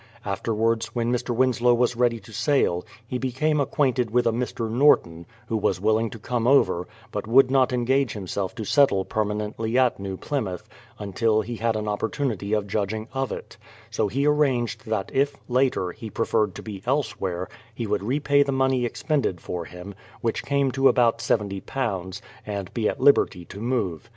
Afterwards, when Mr. Winslow was ready to sail, he became acquainted with a Mr. Norton, who was willing to come over, but would not engage himself to settle permanently at New Plymouth, until he had an opportunity of judging of it; so he ar ranged that if, later, he preferred to be elsewhere, he would repay the money expended for him, which came to about £70, and be at liberty to move.